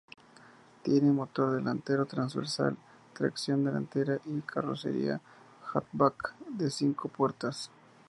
Tiene motor delantero transversal, tracción delantera y carrocería hatchback de cinco puertas.